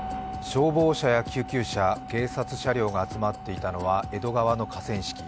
消防車や救急車、警察車両が集まっていたのは江戸川の河川敷。